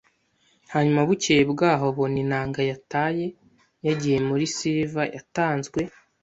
hanyuma bukeye bwaho abona inanga yataye, yagiye muri Silver, yatanzwe